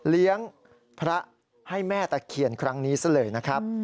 เลี้ยงพระให้แม่ตะเคียนครั้งนี้ซะเลยนะครับ